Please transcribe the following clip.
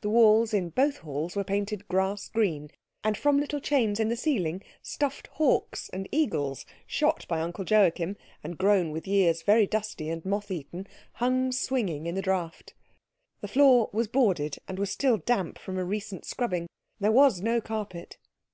The walls in both halls were painted grass green; and from little chains in the ceiling stuffed hawks and eagles, shot by Uncle Joachim, and grown with years very dusty and moth eaten, hung swinging in the draught. The floor was boarded, and was still damp from a recent scrubbing. There was no carpet.